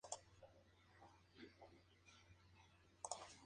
Tiene una hija llamada Rosie Fox.